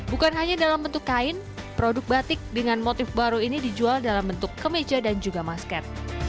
bukan hanya dalam bentuk kain produk batik dengan motif baru ini dijual dalam bentuk kemeja dan juga masker